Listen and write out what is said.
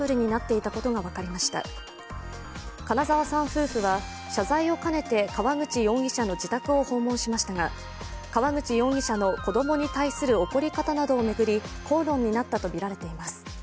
夫婦は謝罪をかねて川口容疑者の自宅を訪問しましたが川口容疑者の子供に対する怒り方などを巡り口論になったとみられています。